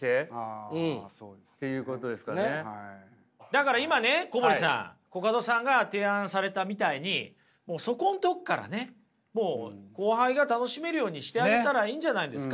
だから今ね小堀さん。コカドさんが提案されたみたいにもうそこのとこからねもう後輩が楽しめるようにしてあげたらいいんじゃないんですか。